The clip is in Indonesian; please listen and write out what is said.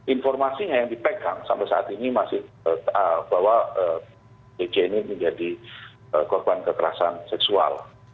informasinya yang dipegang sampai saat ini masih bahwa pj ini menjadi korban kekerasan seksual